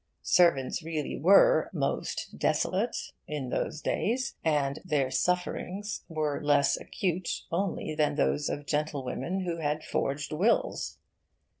Servants really were 'most desolate' in those days, and 'their sufferings' were less acute only than those of gentlewomen who had forged wills.